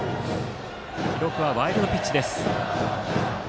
記録はワイルドピッチ。